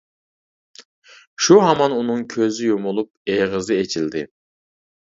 شۇ ھامان ئۇنىڭ كۆزى يۇمۇلۇپ، ئېغىزى ئېچىلدى.